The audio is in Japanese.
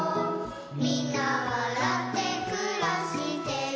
「みんなわらってくらしてる」